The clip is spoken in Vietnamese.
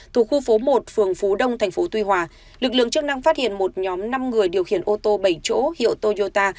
thuộc khu phố một phường phú đông tp tuy hòa lực lượng chức năng phát hiện một nhóm năm người điều khiển ô tô bảy chỗ hiệu toyota